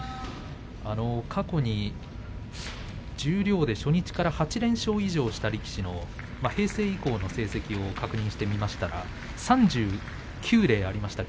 過去に十両で初日から８連勝以上した力士の平成以降の成績を確認してみましたら３９例ありました。